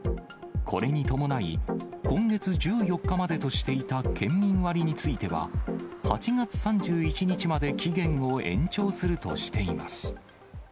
これに伴い、今月１４日までとしていた県民割については、８月３１日まで期限を延長するとしています。